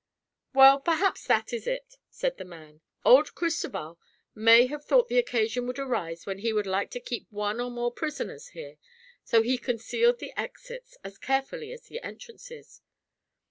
"Well, perhaps that is it," said the man. "Old Cristoval may have thought the occasion would arise when he would like to keep one or more prisoners here, so he concealed the exits as carefully as the entrances.